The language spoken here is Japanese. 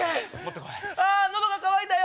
あ喉が渇いたよ！